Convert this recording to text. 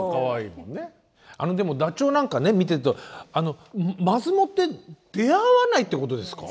あのでもダチョウなんかね見てるとまずもって出会わないってことですか？